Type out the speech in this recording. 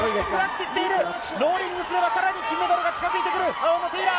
ローリングすれば、さらに金メダルが近づいてくる、青のテイラー。